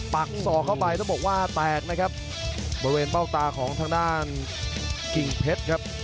ปักศอกเข้าไปต้องบอกว่าแตกนะครับบริเวณเบ้าตาของทางด้านกิ่งเพชรครับ